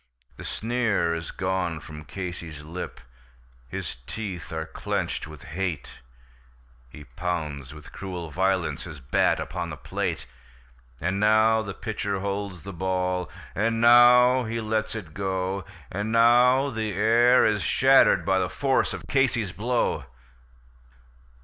The sneer is gone from Casey's lip, his teeth are clenched with hate; He pounds with cruel violence his bat upon the plate; And now the pitcher holds the ball, and now he lets it go, And now the air is shattered by the force of Casey's blow.